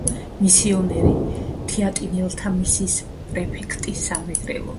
მისიონერი, თეატინელთა მისიის პრეფექტი სამეგრელოში.